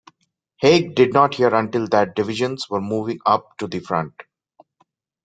Haig did not hear until that the divisions were moving up to the front.